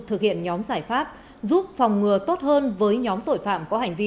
thực hiện nhóm giải pháp giúp phòng ngừa tốt hơn với nhóm tội phạm có hành vi